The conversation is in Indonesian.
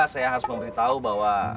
saya harus memberitahu bahwa